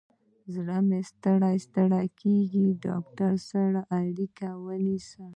زړه مې ستړی ستړي کیږي، ډاکتر سره اړیکه ونیسه